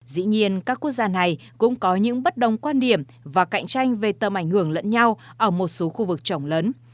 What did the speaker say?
dĩ nhiên các quốc gia này cũng có những bất đồng quan điểm và cạnh tranh về tầm ảnh hưởng lẫn nhau ở một số khu vực trọng lớn